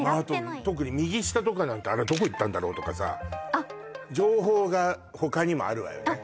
あと特に右下とかなんてあれどこ行ったんだろうとかさ情報が他にもあるわよねあっ